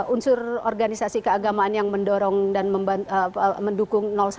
unsur organisasi keagamaan yang mendorong dan mendukung satu